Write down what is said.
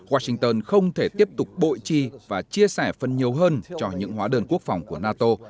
washington không thể tiếp tục bội chi và chia sẻ phân nhiều hơn cho những hóa đơn quốc phòng của nato